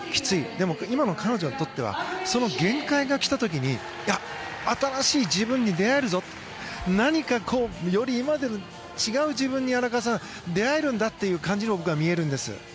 でも、今の彼女にとってはその限界が来た時にいや、新しい自分に出会えるぞ何かこうより、今までと違う自分に荒川さん出会えるんだという感じに僕は見えるんです。